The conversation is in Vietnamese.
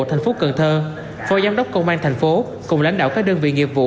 thành phố cần thơ phó giám đốc công an thành phố cùng lãnh đạo các đơn vị nghiệp vụ